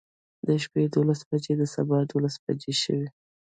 د شپې دولس بجې د سبا دولس بجې شوې.